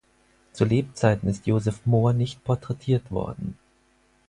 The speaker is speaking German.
Zu Lebzeiten ist Joseph Mohr nicht porträtiert worden.